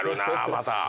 また。